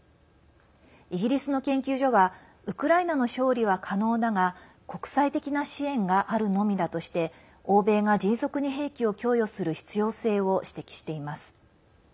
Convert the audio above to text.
イギリスの研究所はウクライナの勝利は可能だが国際的な支援があるのみだとして欧米が迅速に兵器を供与する必要性を指摘しています。